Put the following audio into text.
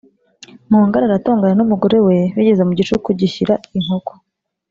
Mpongo arara atongana n’umugore we bigeza mu gicuku gishyira inkoko